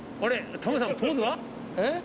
タモリさんポーズは？えっ？